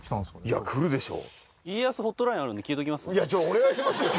お願いしますよ。